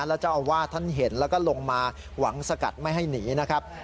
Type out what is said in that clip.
แล้วเจ้าอาวาสท่านเห็นแล้วก็ลงมาหวังสกัดไม่ให้หนีนะครับ